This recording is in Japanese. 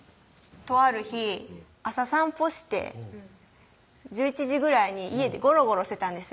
とある日朝散歩して１１時ぐらいに家でゴロゴロしてたんです